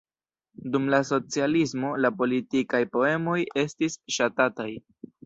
Dum la socialismo la politikaj poemoj estis ŝatataj.